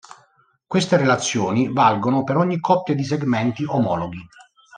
Queste relazioni valgono per ogni coppia di segmenti omologhi.